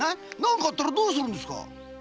何かあったらどうするんですか